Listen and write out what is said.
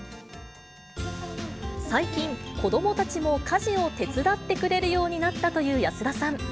最近、子どもたちも家事を手伝ってくれるようになったという安田さん。